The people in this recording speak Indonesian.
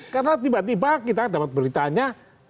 karena tiba tiba kita dapat beritanya